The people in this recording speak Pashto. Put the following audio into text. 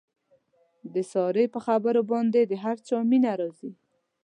د سارې په خبرو باندې د هر چا مینه راځي.